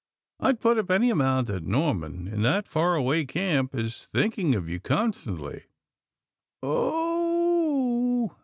I'd put up any amount that Norman, in that far away camp, is thinking of you, constantly." "Oh h h h!